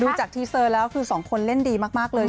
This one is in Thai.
จากทีเซอร์แล้วคือสองคนเล่นดีมากเลย